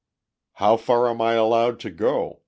"How far am I allowed to go?"